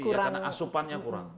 karena asupannya kurang